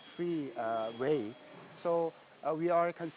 jadi kami memikirkan